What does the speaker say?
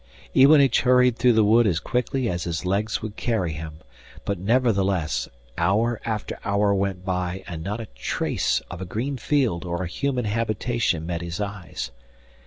Iwanich hurried through the wood as quickly as his legs would carry him, but, nevertheless, hour after hour went by and not a trace of a green field or a human habitation met his eyes.